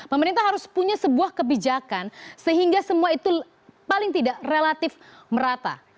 pemerintah harus punya sebuah kebijakan sehingga semua itu paling tidak relatif merata